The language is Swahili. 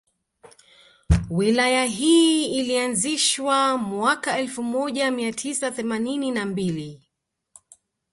Wilaya hii ilianzishwa mwaka elfu moja mia tisa themanini na mbili